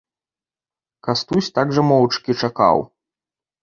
Кастусь так жа моўчкі чакаў.